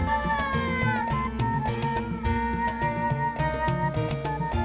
jamu itu sesungguhnya